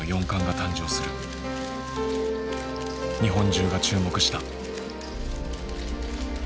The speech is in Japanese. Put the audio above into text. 日本中が注目した。